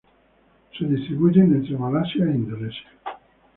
Se distribuyen entre Malasia e Indonesia.